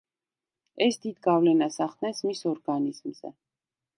ეს დიდ გავლენას ახდენს მის ორგანიზმზე.